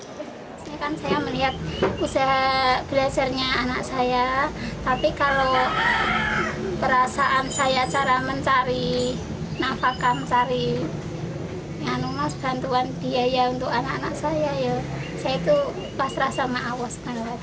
saya kan saya melihat usaha belajarnya anak saya tapi kalau perasaan saya cara mencari nafakam cari bantuan biaya untuk anak anak saya ya saya itu pasrah sama awas